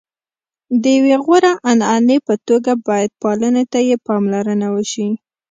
د یوې غوره عنعنې په توګه باید پالنې ته یې پاملرنه وشي.